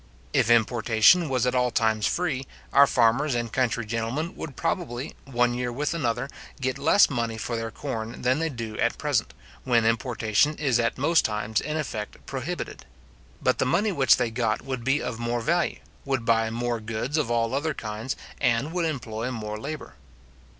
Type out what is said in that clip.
If importation was at all times free, our farmers and country gentlemen would probably, one year with another, get less money for their corn than they do at present, when importation is at most times in effect prohibited; but the money which they got would be of more value, would buy more goods of all other kinds, and would employ more labour.